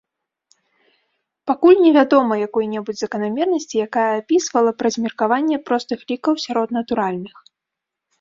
Пакуль невядома якой-небудзь заканамернасці, якая апісвала б размеркаванне простых лікаў сярод натуральных.